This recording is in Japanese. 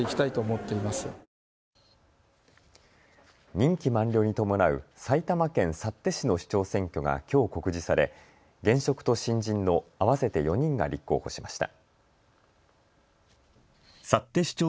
任期満了に伴う埼玉県幸手市の市長選挙がきょう告示され現職と新人の合わせて４人が立候補しました。